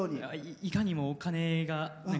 いかにもお金がね。